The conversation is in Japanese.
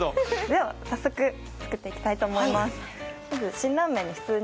では早速作っていきたいと思います。